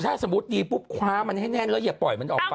ถ้าสมมุติดีปุ๊บคว้ามันให้แน่นแล้วอย่าปล่อยมันออกมา